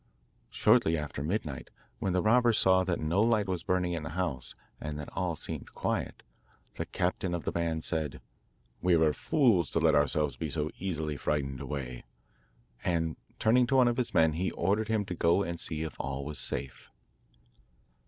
Shortly after midnight, when the robbers saw that no light was burning in the house and that all seemed quiet, the captain of the band said: 'We were fools to let ourselves be so easily frightened away;' and, turning to one of his men, he ordered him to go and see if all was safe.